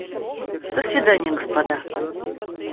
До свидания, господа.